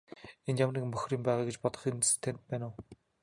Энд ямар нэг бохир юм байгаа гэж бодох үндэс танд байна уу?